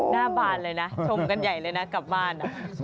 บานเลยนะชมกันใหญ่เลยนะกลับบ้าน